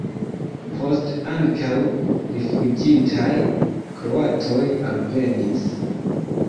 Poste ankaŭ rifuĝintaj kroatoj alvenis.